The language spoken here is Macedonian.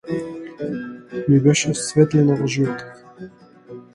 Ми беше светлина во животот.